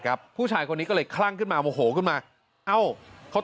ผู้ชายคนนี้ก็เลยคลั่งขึ้นมาโมโหขึ้นมาเอ้าเขา